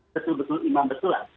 betul betul imam betulan